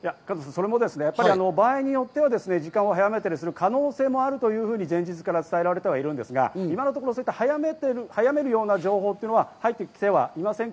それもですね、場合によっては時間を早めたりする可能性もあるというふうに前日から伝えられていますが、今のところ早めるような情報は入ってきていません。